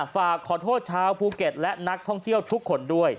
ฝากขอโทษชาวภูเก็ตและนักท่องเที่ยวทุกคนด้วย